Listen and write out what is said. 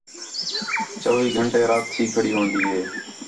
چَوِّی گھنٹے رات تھی کھڑی ہون٘دی ہِے